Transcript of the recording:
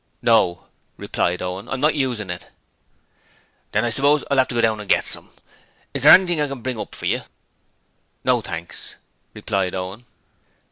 'No,' replied Owen. 'I'm not using it.' 'Then I suppose I'll have to go down and get some. Is there anything I can bring up for you?' 'No, thanks,' replied Owen.